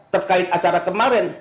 terkait acara kemarin